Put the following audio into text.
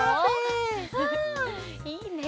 いいね！